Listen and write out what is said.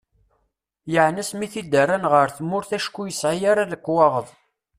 Yeɛni asmi i t-id-rran ɣer tmurt acku ur yesɛi ara lekwaɣeḍ.